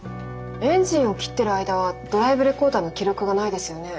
エンジンを切ってる間はドライブレコーダーの記録がないですよね。